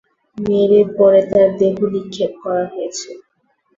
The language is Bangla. মেরে পরে তার দেহ নিক্ষেপ করা হয়েছে।